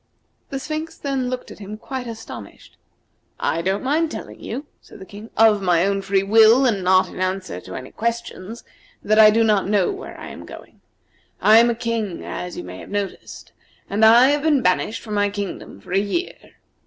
The Sphinx then looked at him quite astonished. "I don't mind telling you," said the King, "of my own free will, and not in answer to any questions, that I do not know where I am going. I am a King, as you may have noticed, and I have been banished from my kingdom for a year.